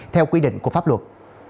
theo quy định của pháp luật